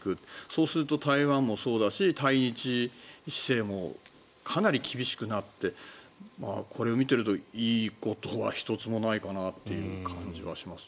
そうすると台湾もそうだし対日姿勢もかなり厳しくなってこれを見ているといいことは１つもないかなという感じがします。